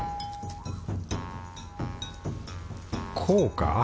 こうか？